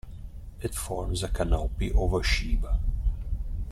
It forms a canopy over Shiva.